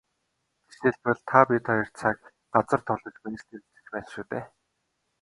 Жишээлбэл, та бид хоёр цаг, газар товлож байж л ярилцаж байна шүү дээ.